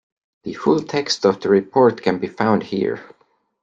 The full text of the report can be found here.